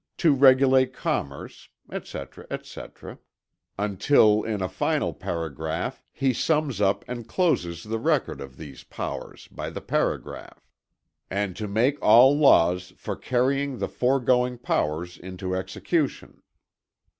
"To regulate commerce" etc., etc., until in a final paragraph he sums up and closes the record of these powers by the paragraph. "And to make all laws for carrying the foregoing powers into execution."